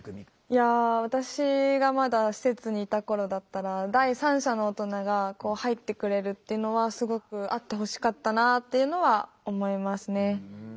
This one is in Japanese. いや私がまだ施設にいた頃だったら第三者の大人が入ってくれるっていうのはすごくあってほしかったなっていうのは思いますね。